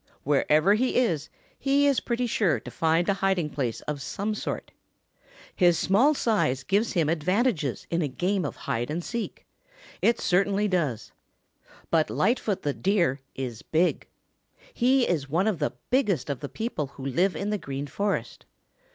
Wherever he is, he is pretty sure to find a hiding place of some sort. His small size gives him advantages in a game of hide and seek. It certainly does. But Lightfoot the Deer is big. He is one of the largest of the people who live in the Green Forest.